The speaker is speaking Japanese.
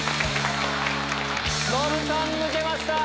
ノブさん抜けました！